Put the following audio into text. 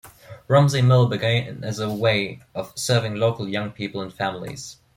Romsey Mill began as a way of serving local young people and families.